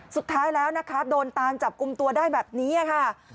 สุดท้ายแล้วนะคะโดนตามจับกลุ่มตัวได้แบบนี้ค่ะ